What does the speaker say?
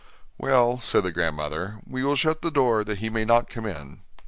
'Well,' said the grandmother, 'we will shut the door, that he may not come in.